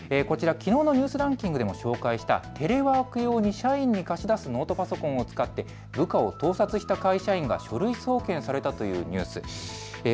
きのうのニュースランキングで紹介したテレワーク用に社員に貸し出すノートパソコンを使って部下を盗撮した会社が書類送検されたというニュース。